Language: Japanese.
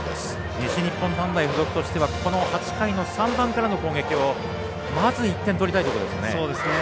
西日本短大付属としてはこの８回の３番からの攻撃をまず１点取りたいところですね。